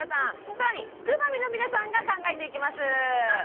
更にすくファミの皆さんが考えていきます。